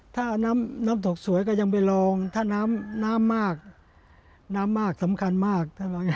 ถ้าน้ำตกสวยก็ยังไปลองถ้าน้ำมากสำคัญมาก